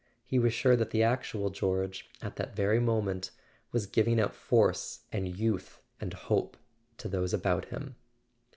—he was sure that the actual George, at that very moment, was giving out force and youth and hope to those about him.